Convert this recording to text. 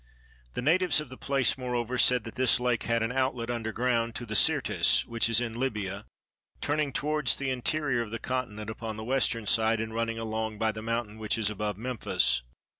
The natives of the place moreover said that this lake had an outlet under ground to the Syrtis which is in Libya, turning towards the interior of the continent upon the Western side and running along by the mountain which is above Memphis.